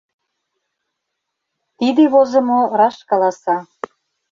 Тиде возымо раш каласа.